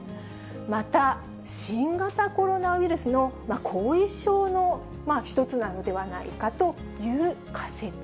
また、新型コロナウイルスの後遺症の１つなのではないかという仮説。